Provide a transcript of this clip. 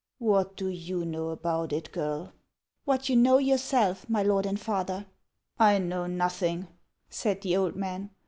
" What do you know about it, girl ?"" What you know yourself, my lord and father." " I know nothing," said the old man.